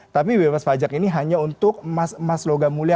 tapi bebas pajak ini hanya untuk emas emas logam mulia